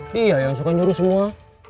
iya yang suka nyuruh semua